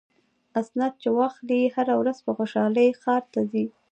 اسناد چې واخلي هره ورځ په خوشحالۍ ښار ته ځي.